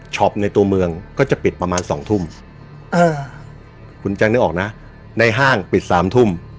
ในตัวเมืองก็จะปิดประมาณสองทุ่มคุณแจ๊คนึกออกนะในห้างปิดสามทุ่ม